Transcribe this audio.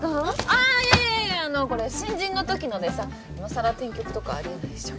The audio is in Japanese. あぁいやいやいやあのこれ新人のときのでさ今更転局とかありえないでしょ。